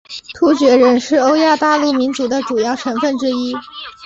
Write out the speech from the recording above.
突厥人是欧亚大陆民族的主要成份之一。